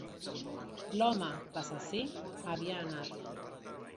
L'home-l'assassí-havia anat.